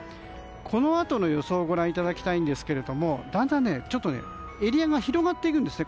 このあとの予想をご覧いただきたいんですがだんだんエリアが広がってくるんですね。